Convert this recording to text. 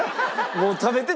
もう食べて！